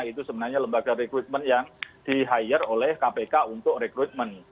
itu sebenarnya lembaga rekrutmen yang di hire oleh kpk untuk rekrutmen